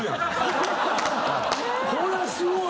こりゃすごい！